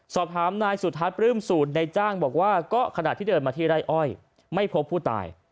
สอบถามนายสุทัศน์ปลื้มสูตรในจ้างบอกว่าก็ขณะที่เดินมาที่ไร่อ้อยไม่พบผู้ตาย